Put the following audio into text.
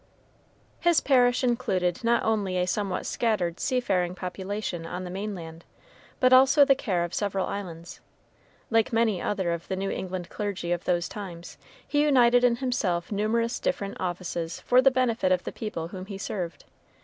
His parish included not only a somewhat scattered seafaring population on the mainland, but also the care of several islands. Like many other of the New England clergy of those times, he united in himself numerous different offices for the benefit of the people whom he served.